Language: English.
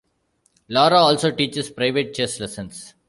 Laura also teaches private chess lessons.